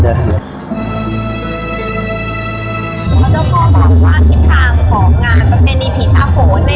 เจ้าพ่อบอกว่าทิศทางของงานก็เป็นอิทธิ์อภูมิ